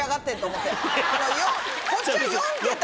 こっちは４桁。